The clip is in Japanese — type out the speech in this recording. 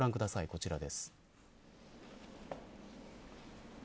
こちらです。